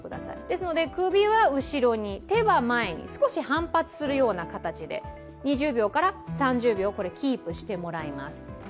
ですので、首は後ろに、手は前に、少し反発するような形で２０秒から３０秒キープしてもらいます。